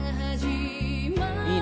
いいね